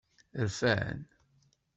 Rfan.